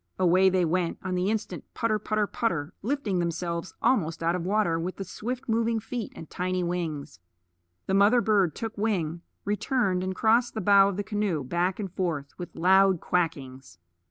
Away they went on the instant, putter, putter, putter, lifting themselves almost out of water with the swift moving feet and tiny wings. The mother bird took wing, returned and crossed the bow of the canoe, back and forth, with loud quackings.